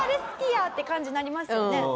すき家？って感じになりますよね。